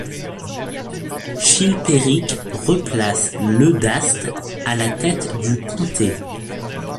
Chilpéric replace Leudaste à la tête du comté.